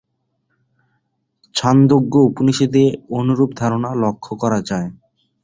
ছান্দোগ্য উপনিষদে অনুরূপ ধারণা লক্ষ করা যয়।